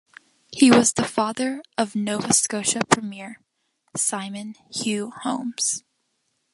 He was the father of Nova Scotia premier Simon Hugh Holmes.